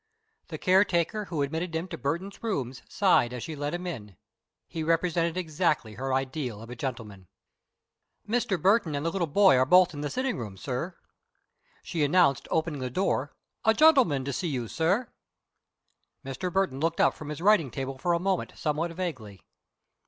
The caretaker who admitted him to Burton's rooms sighed as she let him in. He represented exactly her ideal of a gentleman. "Mr. Burton and the little boy are both in the sitting room, sir," she announced, opening the door. "A gentleman to see you, sir." Burton looked up from his writing table for a moment somewhat vaguely.